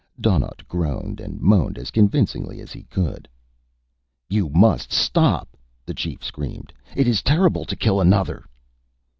Donnaught groaned and moaned as convincingly as he could. "You must stop!" the chief screamed. "It is terrible to kill another!"